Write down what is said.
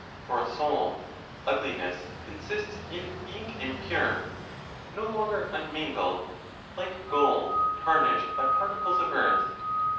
For a soul, ugliness consists in being impure, no longer unmingled, like gold tarnished by particles of earth.